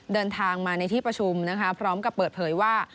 เดินทางมาในที่ประชุมนะคะพร้อมกับเปิดเผยว่า